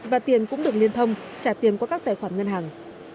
và tiền cũng được liên thông trả tiền qua các tài khoản ngân hàng